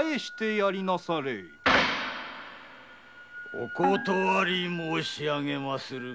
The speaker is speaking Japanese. お断り申しあげまする。